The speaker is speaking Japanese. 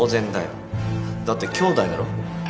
だって兄弟だろ？